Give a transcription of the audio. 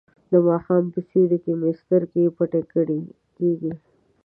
د ماښام په سیوري کې مې سترګې پټې کیږي.